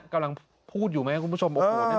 กำลังพูดอยู่ไหมคุณผู้ชม